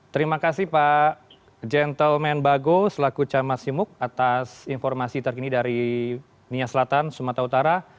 terima kasih pak gentlemen bago selaku camat simuk atas informasi terkini dari nia selatan sumatera utara